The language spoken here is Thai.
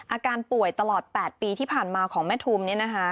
อาการป่วยตลอด๘ปีที่ผ่านมาของแม่ทุมเนี่ยนะคะ